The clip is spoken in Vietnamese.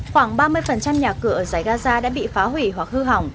khoảng ba mươi nhà cửa ở giải gaza đã bị phá hủy hoặc hư hỏng